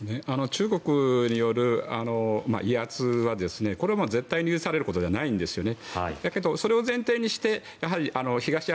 中国による威圧はこれはもう絶対に許されることではないんですよね